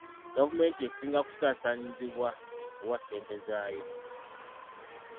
Gavumenti esinga kusaasaanyizibwa wa ssente zaayo?